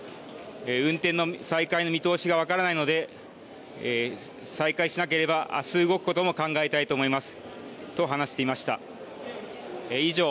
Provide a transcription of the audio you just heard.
運転の再開の見通しが分からないので再開しなければあす動くことも考えたいと思います。